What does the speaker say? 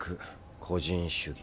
個人主義。